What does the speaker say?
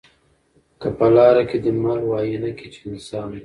که په لاره کی دي مل وو آیینه کي چي انسان دی